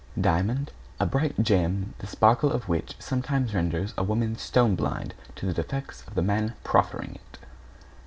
=DIAMOND= A bright gem the sparkle of which sometimes renders a woman stone blind to the defects of the man proffering it.